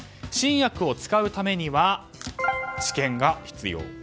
新薬を使うためには治験が必要。